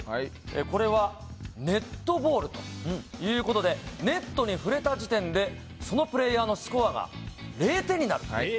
これはネットボールということでネットに触れた時点でそのプレーヤーのスコアが０点になる。